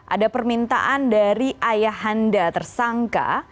ada permintaan dari ayah anda tersangka